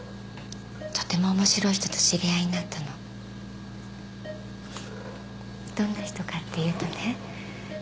とてもおもしろい人と知り合いになったのどんな人かっていうとね